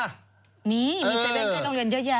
มีมีเซเว่นใกล้โรงเรียนเยอะแยะ